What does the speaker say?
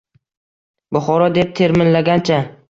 “Buxoro!” deb termilgancha